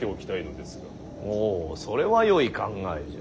おうそれはよい考えじゃ。